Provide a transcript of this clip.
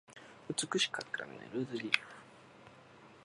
美しく書くためのルーズリーフ